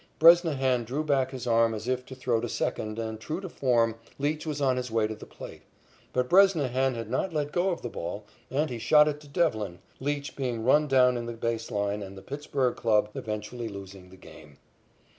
Bresnahan drew back his arm as if to throw to second, and true to form, Leach was on his way to the plate. But Bresnahan had not let go of the ball, and he shot it to Devlin, Leach being run down in the base line and the Pittsburg club eventually losing the game.